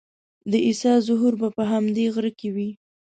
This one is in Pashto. د عیسی ظهور به په همدې غره کې وي.